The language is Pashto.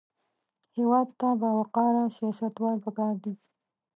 هېواد ته باوقاره سیاستوال پکار دي